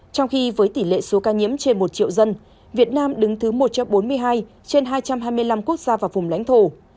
trong khi với tỷ lệ số ca nhiễm trên một triệu dân việt nam đứng thứ một trong bốn mươi hai trên hai trăm hai mươi năm quốc gia và vùng lãnh thổ